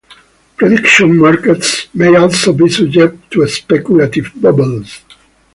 Prediction markets may also be subject to speculative bubbles.